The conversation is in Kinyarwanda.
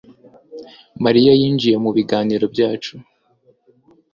mariya yinjiye mubiganiro byacu